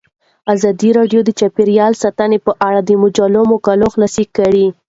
ازادي راډیو د چاپیریال ساتنه په اړه د مجلو مقالو خلاصه کړې.